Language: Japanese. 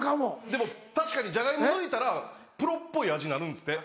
でも確かにジャガイモ抜いたらプロっぽい味になるんですって。